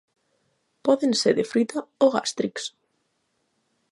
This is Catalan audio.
Poden ser de fruita o gàstrics.